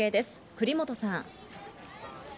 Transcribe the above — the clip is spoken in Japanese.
栗本さん。